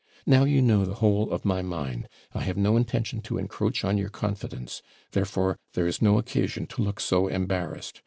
Now you know the whole of my mind; I have no intention to encroach on your confidence; therefore, there is no occasion to look so embarrassed.